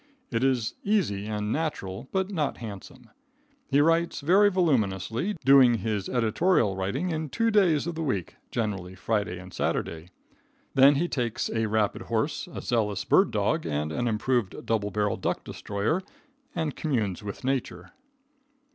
It is easy and natural, but not handsome. He writes very voluminously, doing his editorial writing in two days of the week, generally Friday and Saturday. Then he takes a rapid horse, a zealous bird dog and an improved double barrel duck destroyer and communes with nature.